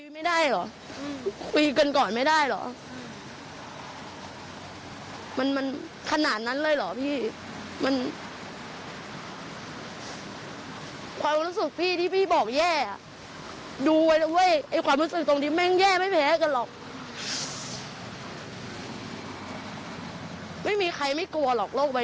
แสดงว่าตอนนี้เราก็ยังคิดไม่ได้ออกว่าจะช่วยสามียังไงถูกต้องมั้ย